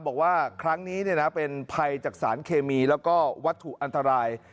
บอกว่าครั้งนี้เป็นภัยจากสารเคมีแล้วก็วัตถุอันตราย